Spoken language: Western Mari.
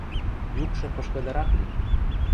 Юкшы пышкыдырак лин.